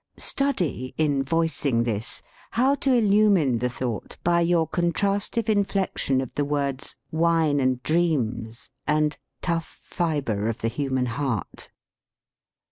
Study, in voicing this, how to illumine the thought by your contrastive inflection of the words "wine and dreams" and "tough fibre of the human heart."